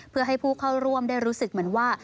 เพื่อให้ผู้เข้าร่วมได้รู้สึกเหมือนว่า